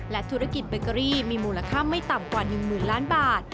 ธุรกิจเบเกอรี่มีมูลค่าไม่ต่ำกว่า๑๐๐๐ล้านบาท